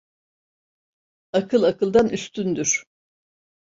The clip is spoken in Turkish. Akıl akıldan üstündür.